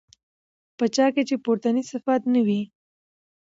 په چا كي چي پورتني صفات نه وي